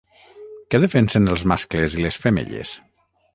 Què defensen els mascles i les femelles?